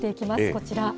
こちら。